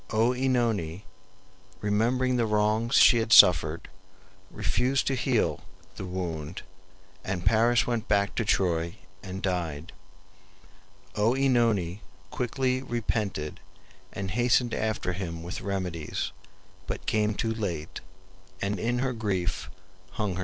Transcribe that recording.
OEnone, remembering the wrongs she had suffered, refused to heal the wound, and Paris went back to Troy and died. OEnone quickly repented, and hastened after him with remedies, but came too late, and in her grief hung herself.